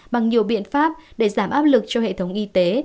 bằng nhiều biện pháp để giảm áp lực cho hệ thống y tế